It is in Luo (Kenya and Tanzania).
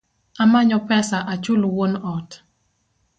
Amanyo pesa achul wuon ot